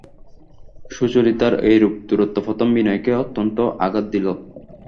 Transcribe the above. সুচরিতার এইরূপ দূরত্ব প্রথমে বিনয়কে অত্যন্ত আঘাত দিল।